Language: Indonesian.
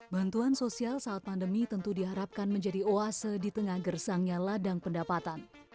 bantuan sosial saat pandemi tentu diharapkan menjadi oase di tengah gersangnya ladang pendapatan